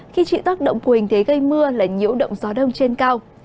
khi chịu tác động của hình thế gây mưa là nhiễu động gió đông trên cao